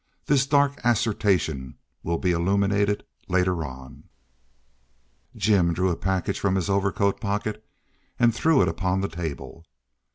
This dark assertion will be illuminated later on. Jim drew a package from his overcoat pocket and threw it upon the table.